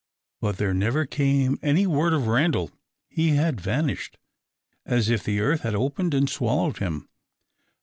But there never came any word of Randal. He had vanished as if the earth had opened and swallowed him.